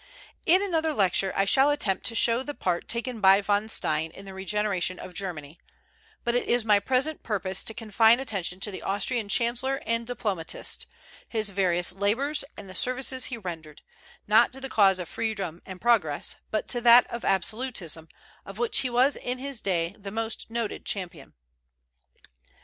In another lecture I shall attempt to show the part taken by Von Stein in the regeneration of Germany; but it is my present purpose to confine attention to the Austrian chancellor and diplomatist, his various labors, and the services he rendered, not to the cause of Freedom and Progress, but to that of Absolutism, of which he was in his day the most noted champion.